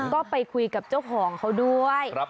ก็ไปคุยกับเจ้าของเขาด้วย